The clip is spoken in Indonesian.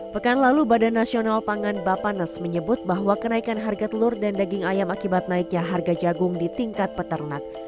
pekan lalu badan nasional pangan bapanas menyebut bahwa kenaikan harga telur dan daging ayam akibat naiknya harga jagung di tingkat peternak